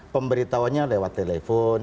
pemberitahunya lewat telepon